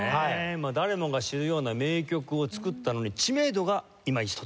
まあ誰もが知るような名曲を作ったのに知名度がいまひとつ。